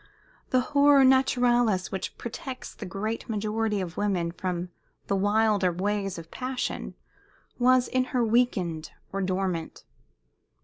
The horror naturalis which protects the great majority of women from the wilder ways of passion was in her weakened or dormant.